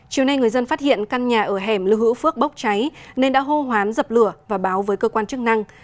chiều nay người dân phát hiện căn nhà ở hẻm lưu hữu phước bốc cháy nên đã hô hoán dập lửa và báo với cơ quan chức năng